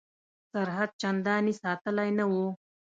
سرحد چنداني ساتلی نه وو.